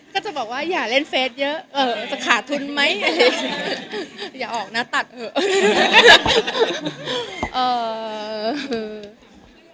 ก็จะบอกว่าอย่าเล่นเฟสเยอะจะขาดทุนไหมอย่าออกหน้าตัดเถอะ